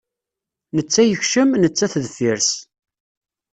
Netta yekcem, nettat deffir-s.